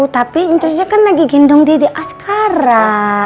tapi intusnya kan lagi gendong di di askara